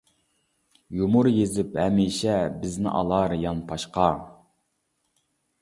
يۇمۇر يېزىپ ھەمىشە، بىزنى ئالار يانپاشقا.